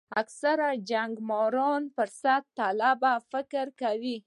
اکثره جګړه مار فرصت طلبان فکر کوي.